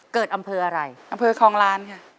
เกิดอำเภออะไรอำเภอคลองล้านค่ะ